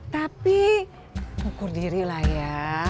tapi ukur diri lah ya